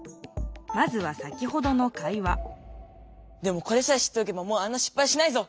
まずは先ほどの会話でもこれさえ知っておけばもうあんなしっぱいしないぞ！